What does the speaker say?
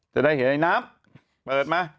จะได้เห็นในน้ำเปิดมา